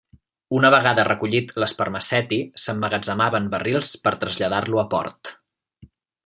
Una vegada recollit l'espermaceti, s'emmagatzemava en barrils per traslladar-lo a port.